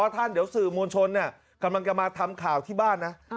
ท่านเดี๋ยวสื่อมวลชนกำลังจะมาทำข่าวที่บ้านนะ